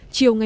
chào các bạn